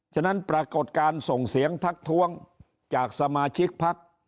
ฉะนั้นปรากฏการณ์ส่งเสียงทักท้วงจากสมาชิกพัก